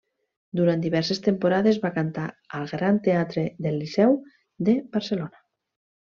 Durant diverses temporades va cantar al Gran Teatre del Liceu de Barcelona.